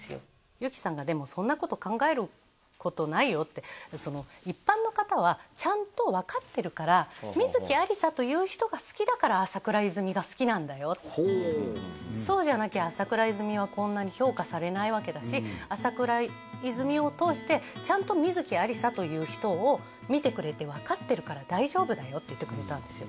由樹さんがでもそんなこと考えることないよって一般の方はちゃんと分かってるからそうじゃなきゃ朝倉いずみはこんなに評価されないわけだし朝倉いずみを通してちゃんと観月ありさという人を見てくれて分かってるから大丈夫だよって言ってくれたんですよ